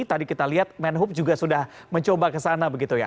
tadi kita lihat kemenhub juga sudah mencoba ke sana begitu ya